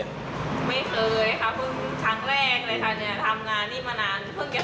ไม่เคยครับแท้งแรกเลยค่ะทำงานนี้มานาน